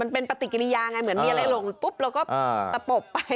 เป็นปฏิกิริยาไงเหมือนมีอะไรหลงปุ๊บเราก็ตะปบไป